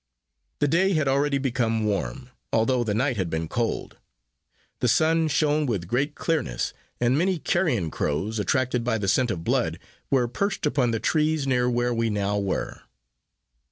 The day had already become warm, although the night had been cold; the sun shone with great clearness, and many carrion crows, attracted by the scent of blood, were perched upon the trees near where we now were.